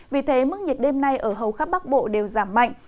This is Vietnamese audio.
vì thế mức nhiệt đêm nay ở hầu khắp bắc bộ đều giảm mạnh